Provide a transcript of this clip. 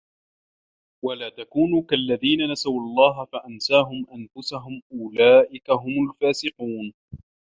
وَلا تَكونوا كَالَّذينَ نَسُوا اللَّهَ فَأَنساهُم أَنفُسَهُم أُولئِكَ هُمُ الفاسِقونَ